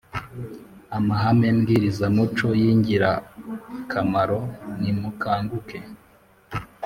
Amahame mbwirizamuco y ingirakamaro Nimukanguke